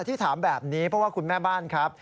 ที่ถามแบบนี้เพราะว่าคุณแม่บ้านครับ